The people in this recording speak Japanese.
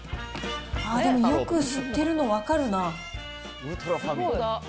あー、でも、よく吸ってるの分かるな。